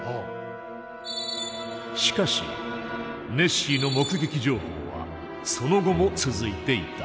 しかしネッシーの目撃情報はその後も続いていた。